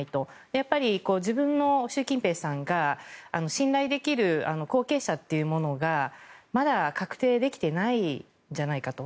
やっぱり習近平さんが信頼できる後継者というものがまだ確定できていないんじゃないかと。